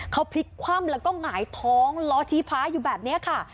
เขาพลิกคว่ำแล้วก็หงายท้องล้อชี้ฟ้าอยู่แบบนี้ค่ะ